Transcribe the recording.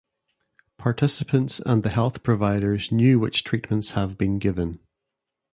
Participants and the health providers knew which treatments have been given.